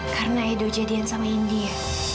karena edo jadian sama indi ya